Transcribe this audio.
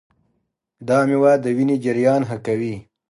دا مېوه د وینې جریان ښه کوي.